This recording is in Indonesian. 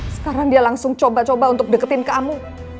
sekarang dia langsung coba coba untuk deketin ke kamu